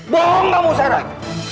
bohong kamu sarah